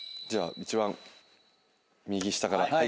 じゃあ一番右下から。